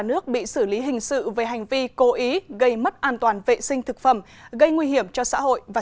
nước bị xử lý hình sự về hành vi cố ý gây mất an toàn vệ sinh thực phẩm gây nguy hiểm cho xã hội và